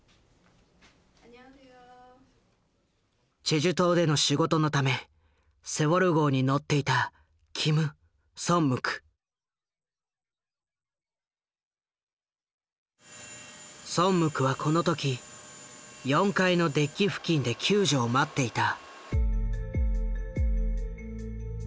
チェジュ島での仕事のためセウォル号に乗っていたソンムクはこの時４階のデッキ付近で救助を待っていた。